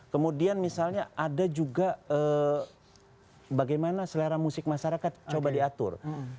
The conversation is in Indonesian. kemudian misalnya ada juga bagaimana selera musik masyarakat coba diatur